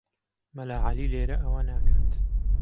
مەلا عەلی لێرە ئەوە ناکات.